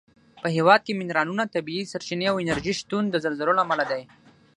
په هېواد کې منرالونه، طبیعي سرچینې او انرژي شتون د زلزلو له امله دی.